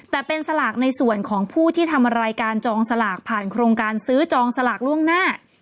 แต่เป็นสลากในส่วนของผู้ที่ทำรายการจองสลากผ่านโครงการซื้อจองสลากล่วงหน้า